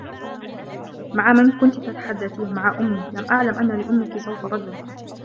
مع من كنتِ تتحدّثين؟ "مع أمّي." "لم أعلم أنّ لأمّكِ صوت رجل."